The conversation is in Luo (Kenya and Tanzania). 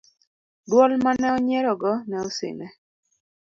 dwol mane onyierogo ne osine